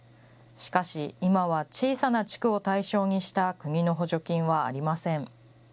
しかし、今は小さな地区を対象にした国の補助金はありません。